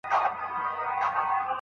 پلار له ډېر وخته دا ساعت ساتلی دی.